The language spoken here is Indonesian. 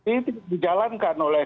ini dijalankan oleh